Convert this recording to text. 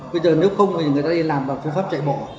bây giờ nếu không thì người ta đi làm bằng phương pháp chạy bộ